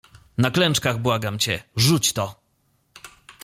"Na klęczkach błagam cię, rzuć to!"